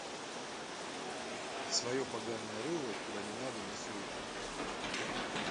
И своё поганое рыло, куда не надо, не суй!